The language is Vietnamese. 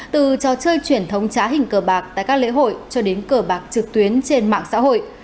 từ trò chơi truyền thống trá hình cờ bạc tại các lễ hội cho đến cờ bạc trực tuyến trên mạng xã hội